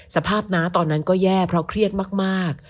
สภาพน้าตอนนั้นก็แย่เพราะเครียดมาก